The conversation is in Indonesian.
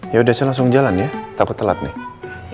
yaudah saya langsung jalan ya takut telat nih